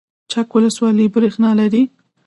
چک ولسوالۍ بریښنا لري؟